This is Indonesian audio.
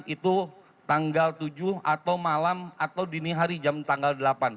itu tanggal tujuh atau malam atau dini hari jam tanggal delapan